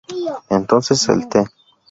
Entonces el Tte.